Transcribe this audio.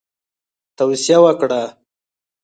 توصیه وکړه.